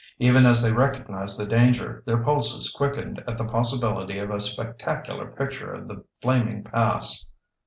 Even as they recognized the danger, their pulses quickened at the possibility of a spectacular picture of the flaming pass.